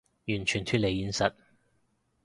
完全脫離現實